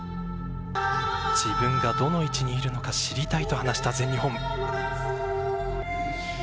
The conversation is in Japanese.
自分がどの位置にいるのか知りたいと話した全日本。